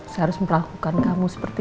seharusnya melakukan kamu seperti